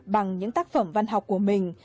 bằng những tác phẩm văn học của mình